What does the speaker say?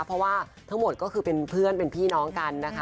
เพราะว่าทั้งหมดก็คือเป็นเพื่อนเป็นพี่น้องกันนะคะ